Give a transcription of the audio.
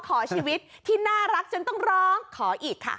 ขอชีวิตที่น่ารักจนต้องร้องขออีกค่ะ